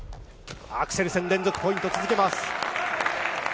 アクセルセン、連続ポイントが続きます。